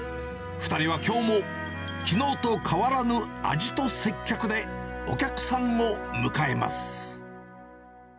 ２人はきょうも、きのうと変わらぬ味と接客でお客さんを迎えます。